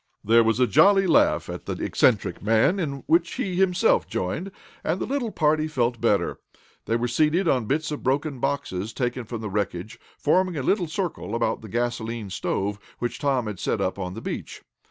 There was a jolly laugh at the eccentric man, in which he himself joined, and the little party felt better. They were seated on bits of broken boxes taken from the wreck, forming a little circle about the gasolene stove, which Tom had set up on the beach.